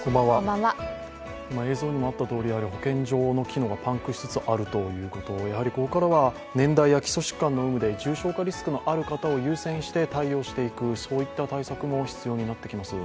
保健所の機能がパンクしつつあるということここからは年代や基礎疾患の有無で重症化リスクのある方に対応していく、そういった対策も必要になってきます。